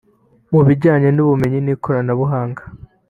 mu bijyanye n’ubumenyi n’ikoranabuhanga